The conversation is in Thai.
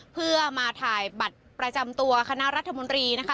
เพื่อมาถ่ายบัตรประจำตัวคณะรัฐมนตรีนะคะ